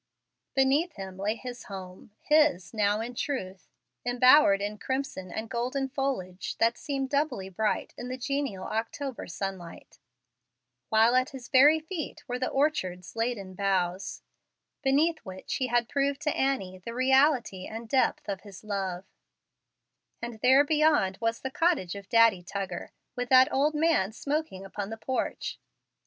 Beneath him lay his home his now in truth embowered in crimson and golden foliage, that seemed doubly bright in the genial October sunlight, while at his very feet were the orchard's laden boughs, beneath which he had proved to Annie the reality and depth of his love; and there beyond was the cottage of Daddy Tuggar, with that old man smoking upon the porch.